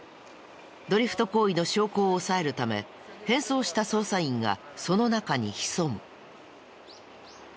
ドリフト行為の証拠を押さえるため変装した捜査員がその中に潜む。